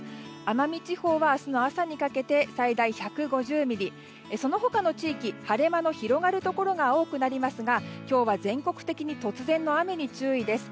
奄美地方は明日の朝にかけて最大１５０ミリその他の地域、晴れ間の広がるところが多くなりますが今日は全国的に突然の雨に注意です。